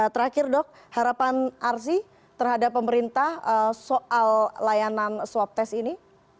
terakhir dok harapan arsi terhadap pemerintah soal layanan swab test ini